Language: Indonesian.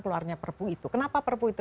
keluarnya perpu itu kenapa perpu itu